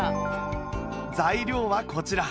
材料はこちら